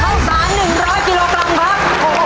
เท่าสารหนึ่งร้อยกิโลกรัมครับ